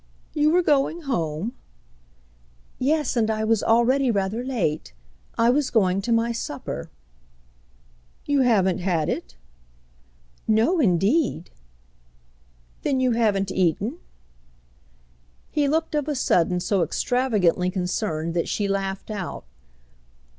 "You were going home?" "Yes, and I was already rather late. I was going to my supper." "You haven't had it?" "No indeed!" "Then you haven't eaten—?" He looked of a sudden so extravagantly concerned that she laughed out.